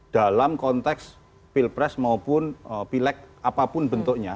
dalam konteks pilpres maupun pileg apapun bentuknya